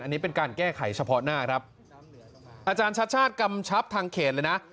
อันนี้เป็นการแก้ไขเฉพาะหน้าครับอาจารย์ชัดชาติกำชับทางเขตเลยนะ